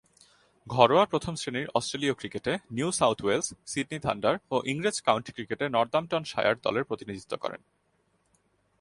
ঘরোয়া প্রথম-শ্রেণীর অস্ট্রেলীয় ক্রিকেটে New South Wales, Sydney Thunder ও ইংরেজ কাউন্টি ক্রিকেটে নর্দাম্পটনশায়ার দলের প্রতিনিধিত্ব করেন।